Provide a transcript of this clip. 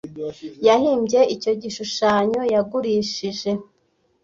yahimbye icyo gishushanyo yagurishije